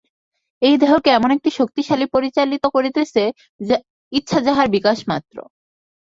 এই দেহকে এমন একটি শক্তি পরিচালিত করিতেছে, ইচ্ছা যাহার বিকাশমাত্র।